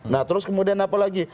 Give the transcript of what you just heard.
nah terus kemudian apa lagi